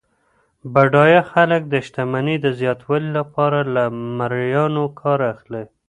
بډایه خلګ د شتمنۍ د زیاتوالي لپاره له مریانو کار اخلي.